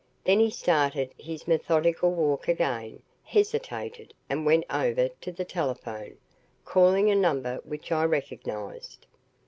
Then he started his methodical walk again, hesitated, and went over to the telephone, calling a number which I recognized.